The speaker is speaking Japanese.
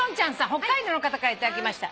北海道の方から頂きました。